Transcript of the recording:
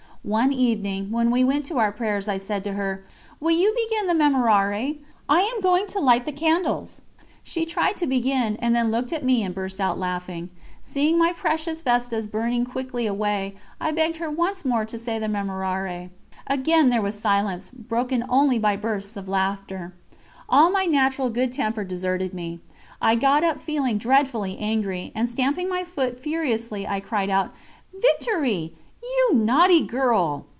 One evening, when we went to our prayers, I said to her: "Will you begin the Memorare? I am going to light the candles." She tried to begin, and then looked at me and burst out laughing. Seeing my precious vestas burning quickly away, I begged her once more to say the Memorare. Again there was silence, broken only by bursts of laughter. All my natural good temper deserted me. I got up feeling dreadfully angry, and, stamping my foot furiously, I cried out: "Victoire, you naughty girl!"